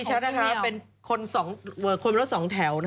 จริงเช้าเป็นคนในตะวัน๒แถว